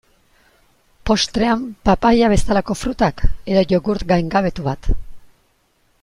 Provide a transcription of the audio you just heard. Postrean papaia bezalako frutak, edo jogurt gaingabetu bat.